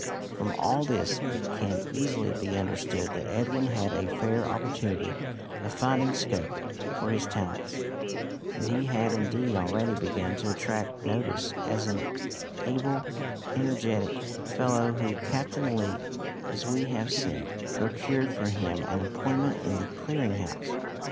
From all this it can easily be understood that Edwin had a fair opportunity of finding scope for his talents; and he had indeed already begun to attract notice as an able, energetic fellow, when Captain Lee, as we have said, procured for him an appointment in the Clearing House.